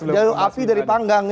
jauh api dari panggang